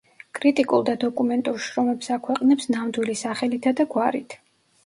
კრიტიკულ და დოკუმენტურ შრომებს აქვეყნებს ნამდვილი სახელითა და გვარით.